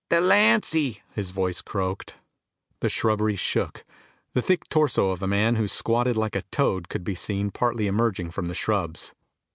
"Delancy," his voice croaked. The shrubbery shook. The thick torso of a man who squatted like a toad could be seen partly emerging from the shrubs.